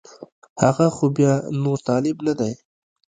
هغه خو بیا نور طالب نه دی